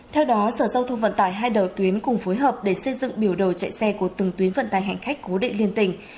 theo đó sở giao thông vận tải hai đầu tuyến cùng phối hợp để xây dựng biểu đồ chạy xe của từng tuyến vận tài hành khách cố định liên tỉnh